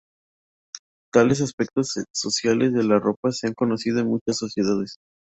Tales aspectos sociales de la ropa se han conocido en muchas sociedades.